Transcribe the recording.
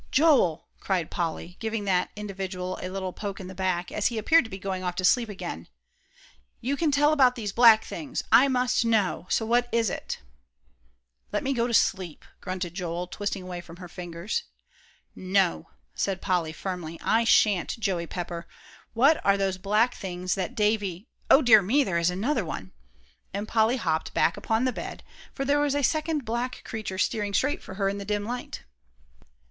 "Joel!" cried Polly, giving that individual a little poke in the back, as he appeared to be going off to sleep again, "you can tell about these black things! I must know; so what is it?" "Let me go to sleep," grunted Joel, twisting away from her fingers. "No," said Polly, firmly, "I shan't, Joey Pepper. What are those black things that Davie O dear me, there is another one!" and Polly hopped back upon the bed, for there was a second black creature steering straight for her in the dim light.